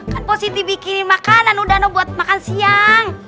kan posisi bikinin makanan udah buat makan siang